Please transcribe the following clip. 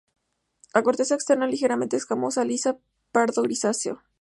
La corteza externa ligeramente escamosa a lisa, pardo grisácea.